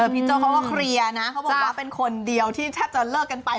พี่โจ้เขาก็เคลียร์นะเขาบอกว่าเป็นคนเดียวที่แทบจะเลิกกันไป